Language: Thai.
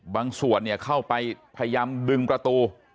บางส่วนเข้าไปพยายามดึงประตู